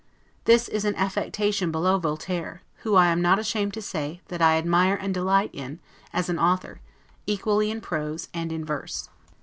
This is an affectation below Voltaire; who, I am not ashamed to say, that I admire and delight in, as an author, equally in prose and in verse.